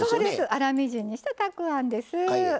粗みじんにしたたくあんです。